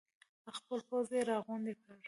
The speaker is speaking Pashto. خپل پوځ یې راغونډ کړ.